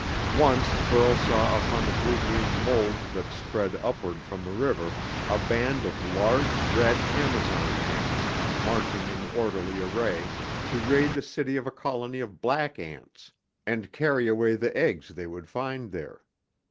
Once, Burl saw upon the blue green mold that spread upward from the river, a band of large, red Amazon ants, marching in orderly array, to raid the city of a colony of black ants, and carry away the eggs they would find there.